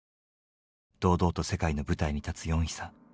堂々と世界の舞台に立つヨンヒさん。